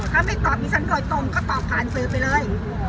ถ้าไม่ตอบดิฉันโดยตรงก็ตอบผ่านสื่อไปเลย